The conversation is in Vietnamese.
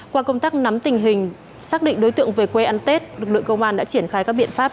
qua công tác nắm tình hình xác định đối tượng về quê ăn tết lực lượng công an đã triển khai các biện pháp